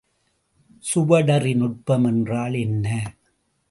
சுவடறி நுட்பம் என்றால் என்ன?